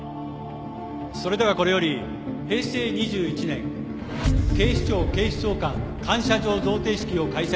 それではこれより平成２１年警視庁警視総監感謝状贈呈式を開催させていただきます。